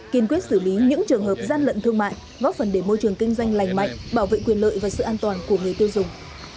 kiên quyết xử lý những trường hợp gian lận thương mại góp phần để môi trường kinh doanh lành mạnh bảo vệ quyền lợi và sự an toàn của người tiêu dùng